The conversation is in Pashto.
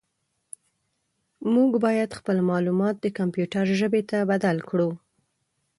موږ باید خپل معلومات د کمپیوټر ژبې ته بدل کړو.